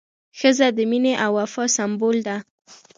ښځه د مینې او وفا سمبول ده.